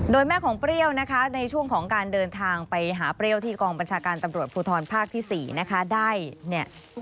โดยแม่ของเปรี้ยวนะคะในช่วงของการเดินทางไปหาเปรี้ยวที่กองบัญชาการตำรวจภูทรภาคที่๔นะคะได้เนี่ย